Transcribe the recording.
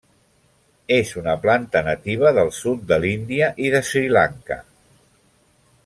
És una planta nativa del sud de l'Índia i de Sri Lanka.